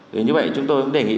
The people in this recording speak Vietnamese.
thì như vậy chúng tôi cũng đề nghị